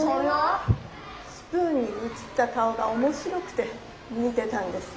スプーンにうつった顔がおもしろくて見てたんです。